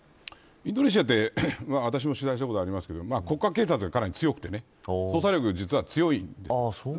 インドネシアは、私も取材したことがありますが国家警察がかなり強くて捜査力が、実は強いんです。